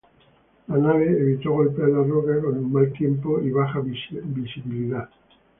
La nave evitó golpear la roca con mal tiempo y baja visibilidad.